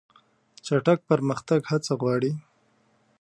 چټک پرمختګ هڅه غواړي.